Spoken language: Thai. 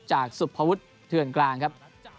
จากสุภวุฒิเถื่อนกลางครับ